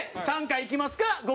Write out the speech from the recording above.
５回いきますか？